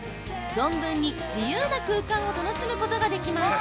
存分に自由な空間を楽しむことができます。